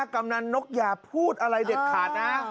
กำนันนกอย่าพูดอะไรเด็ดขาดนะ